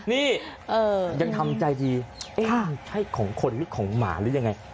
นี่ยังทำใจดีเอ๊ะมันใช่ของคนหรือของหมาหรือยังไง